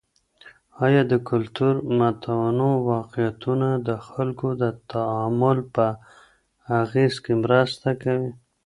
آیا د کلتور متنوع واقعيتونه د خلګو د تعامل په اغیز کي مرسته کوي؟